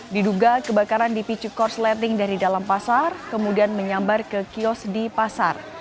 diduga kebakaran dipicu korsleting dari dalam pasar kemudian menyambar ke kios di pasar